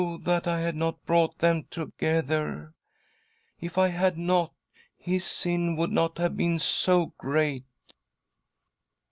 that I had not brought them together I If I had not, his sin would not have been so great.''